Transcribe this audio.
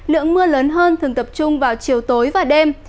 lượng mưa lớn hơn thường tập trung vào chiều tối và đêm